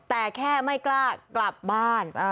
แต่แค่ไม่กล้ากลับบ้าน